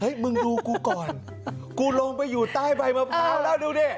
เฮ้ยมึงดูกูก่อนกูลงไปอยู่ใต้ไบเผ้าแล้วดูเนี้ย